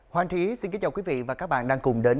hoàng trí xin kính chào quý vị và các bạn đang cùng đến